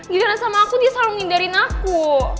ngidana sama aku dia selalu ngindarin aku